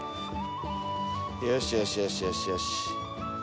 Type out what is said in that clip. よしよしよしよしよし。